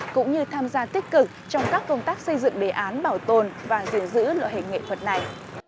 cũng như tham gia tích cực trong các công tác xây dựng đề án bảo tồn và giữ loại hình nghệ thuật này